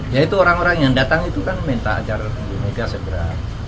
ya itu orang orang yang datang itu kan minta agar ibu mega segera